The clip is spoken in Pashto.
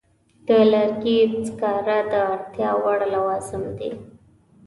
د لرګي سکاره د اړتیا وړ لوازم دي.